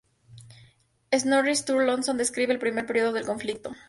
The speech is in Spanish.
Snorri Sturluson describe el primer período del conflicto.